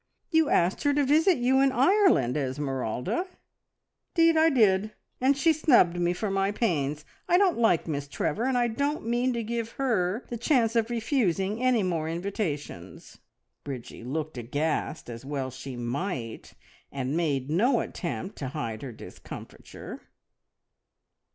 You asked her to visit you in Ireland, Esmeralda!" "'Deed I did, and she snubbed me for my pains. I don't like Miss Trevor, and I don't mean to give her the chance of refusing any more invitations." Bridgie looked aghast, as well she might, and made no attempt to hide her discomfiture.